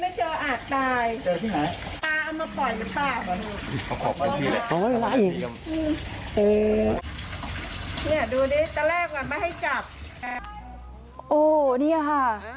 มีแต่แรกกว่ามาให้จับโอ้โหเนี่ยค่ะ